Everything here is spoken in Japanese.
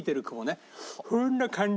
そんな感じ？